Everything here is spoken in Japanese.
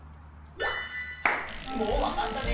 もうわかったね。